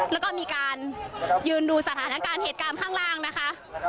แล้วก็มีการยืนดูสถานการณ์เหตุการณ์ข้างล่างนะคะ